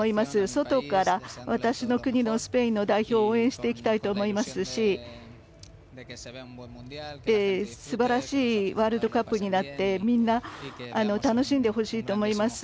外から私の国のスペインの代表を応援していきたいと思いますしすばらしいワールドカップになってみんな楽しんでほしいと思います。